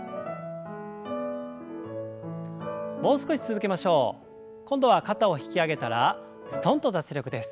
もう少し続けましょう。今度は肩を引き上げたらすとんと脱力です。